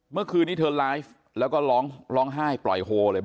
เมื่อคืนนี้เธอไลฟ์แล้วก็ร้องร้องไห้ปล่อยโฮเลย